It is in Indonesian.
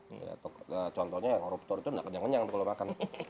contohnya yang koruptor itu nggak kenyang kenyang kalau makan